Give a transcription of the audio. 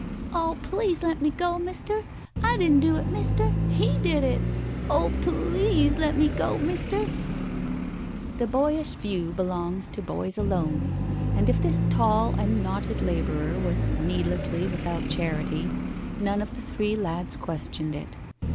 "Oh, please let me go, mister! I didn't do it, mister! He did it! Oh, p l ease let me go, mister!" [Illustration: "'I THOUGHT SHE WAS A LYNX'"] The boyish view belongs to boys alone, and if this tall and knotted laborer was needlessly without charity, none of the three lads questioned it.